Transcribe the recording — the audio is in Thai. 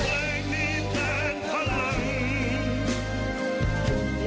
เพลงนี้แทนพลัง